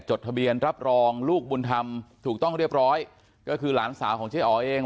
จดทะเบียนรับรองลูกบุญธรรมถูกต้องเรียบร้อยก็คือหลานสาวของเจ๊อ๋อเอง